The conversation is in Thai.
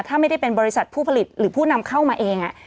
ถ้าไม่ได้เป็นบริษัทผู้ผลิตหรือผู้นำเข้ามาเอง